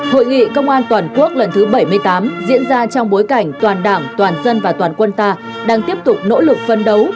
hội nghị công an toàn quốc lần thứ bảy mươi tám diễn ra trong bối cảnh toàn đảng toàn dân và toàn quân ta đang tiếp tục nỗ lực phân đấu